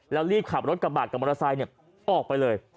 แล้วรีบขับรถกระบาดกับมอเตอร์ไซค์ออกไปเลย